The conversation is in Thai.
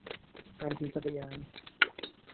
การถีบจักรยาน